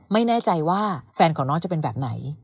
ไม่แน่ใจว่าแฟนของน้องจะเป็นแบบไหน